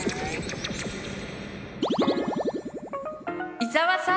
伊沢さん！